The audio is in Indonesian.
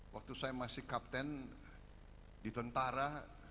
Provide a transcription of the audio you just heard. waktu saya masih kapten di tentara